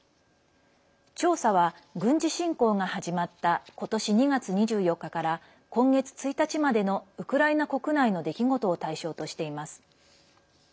調査は、軍事侵攻が始まったことし２月２４日から今月１日までのウクライナ国内の出来事を対象としています。